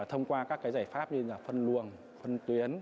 thông qua các giải pháp như là phân luồng phân tuyến